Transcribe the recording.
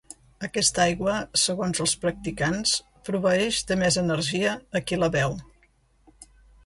Aquesta aigua, segons els practicants proveeix de més energia a qui la beu.